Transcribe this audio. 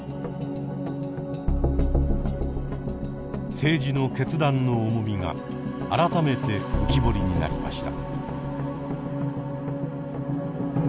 政治の決断の重みが改めて浮き彫りになりました。